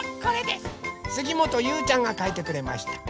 すぎもとゆうちゃんがかいてくれました。